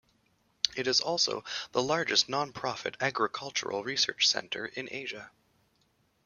It is also the largest non-profit agricultural research center in Asia.